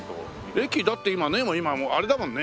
駅だって今もうあれだもんね。